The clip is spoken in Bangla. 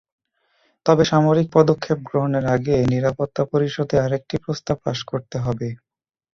তবে সামরিক পদক্ষেপ গ্রহণের আগে নিরাপত্তা পরিষদে আরেকটি প্রস্তাব পাস করতে হবে।